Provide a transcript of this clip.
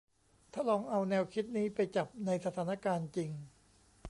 ถ้าลองเอาแนวคิดนี้ไปจับในสถานการณ์จริง